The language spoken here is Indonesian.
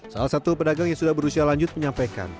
salah satu pedagang yang sudah berusia lanjut menyampaikan